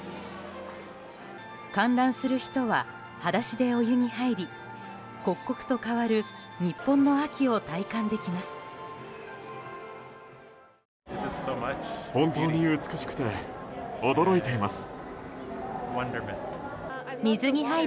観覧する人は裸足でお湯に入り刻々と変わる日本の秋を体感できます。